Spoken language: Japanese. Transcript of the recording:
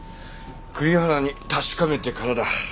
栗原に確かめてからだ。